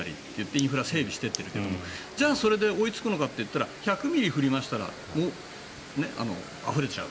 インフラ整備してるけどじゃあ、それで追いつくのかといったら１００ミリ降ったらあふれちゃう。